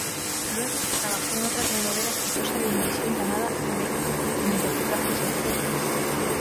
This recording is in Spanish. Luego, trabajó en otra telenovela exitosa de Univision llamada "Rebeca", donde interpretó a Gisela.